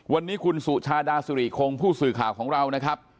วันนี้คุณสุชาดาสุริคงผู้สื่อข่าวของเรานะครับ